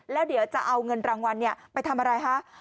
แล้วเดี๋ยวจะเอาเงินรางวัลไปทำอะไรคะ